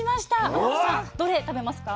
天野さんどれ食べますか？